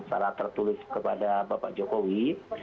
secara tertulis kepada bapak jokowi